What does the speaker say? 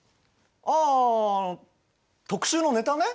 ああ特集のネタね。